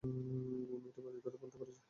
আমি এটা বাজি ধরে বলতে পারি রে।